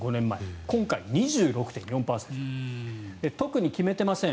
今回は２６．４％特に決めていません